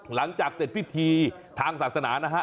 หลังจากเสร็จพิธีทางศาสนานะฮะ